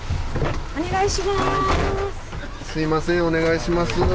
お願いします。